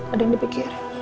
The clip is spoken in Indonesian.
ada yang dipikir